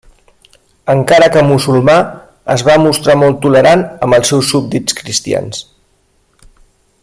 Encara que musulmà, es va mostrar molt tolerant amb els seus súbdits cristians.